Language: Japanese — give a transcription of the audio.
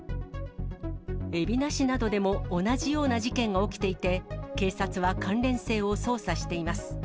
海老名市などでも同じような事件が起きていて、警察は関連性を捜査しています。